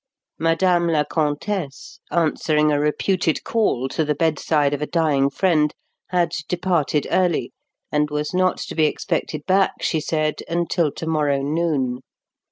Madame la Comtesse, answering a reputed call to the bedside of a dying friend, had departed early, and was not to be expected back, she said, until to morrow noon.